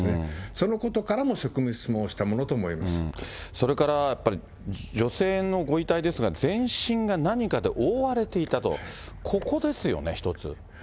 そのことからも職務質問をしたもそれからやっぱり、女性のご遺体ですが、全身が何かで覆われていたと、ここですよね、一つ。